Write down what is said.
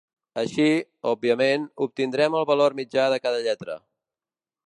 Així, òbviament, obtindrem el valor mitjà de cada lletra.